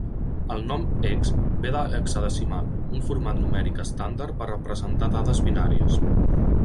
El nom "hex" ve de "hexadecimal": un format numèric estàndard per representar dades binàries.